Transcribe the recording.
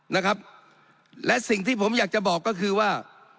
นะครับและสิ่งที่ผมอยากจะบอกก็คือว่า